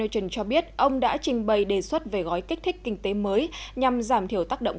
mugin cho biết ông đã trình bày đề xuất về gói kích thích kinh tế mới nhằm giảm thiểu tác động